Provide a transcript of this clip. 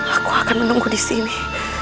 aku akan menunggu di sini